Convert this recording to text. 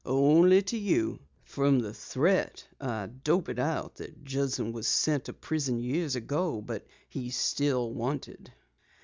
"Only to you. From the threat I dope it out that Judson was sent to prison years ago, and he's still wanted."